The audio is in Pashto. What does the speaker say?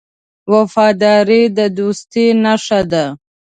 وفاداري د دوستۍ نښه ده.